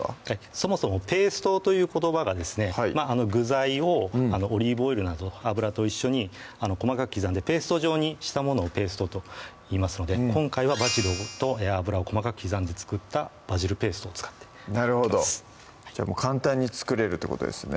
そもそもペーストという言葉がですね具材をオリーブオイルなど油と一緒に細かく刻んでペースト状にしたものをペーストといいますので今回はバジルと油を細かく刻んで作ったバジルペーストを使っていきますなるほどじゃあもう簡単に作れるってことですね